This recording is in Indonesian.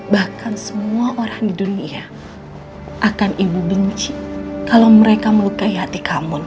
bahkan semua orang di dunia akan ibu benci kalau mereka melukai hati kamu